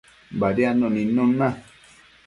Badiadnuc nidnun na